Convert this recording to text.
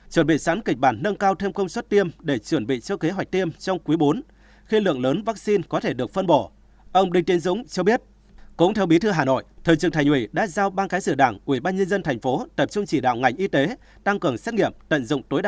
chuẩn bị sẵn kịch bản nâng cao thêm công suất tiêm để chuẩn bị cho kế hoạch tiêm trong quý bốn khi lượng lớn vaccine có thể được phân bỏ